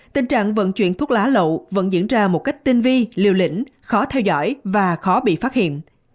tình trạng vận chuyển thuốc lá lậu vẫn diễn ra một cách tinh vi liều lĩnh khó theo dõi và khó bị phát hiện